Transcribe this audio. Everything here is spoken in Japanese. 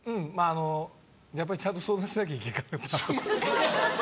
やっぱりちゃんと相談しなきゃいけなかった。